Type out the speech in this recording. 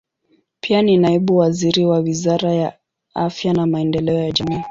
Pia ni naibu waziri wa Wizara ya Afya na Maendeleo ya Jamii.